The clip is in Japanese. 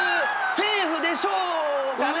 セーフでしょうかね？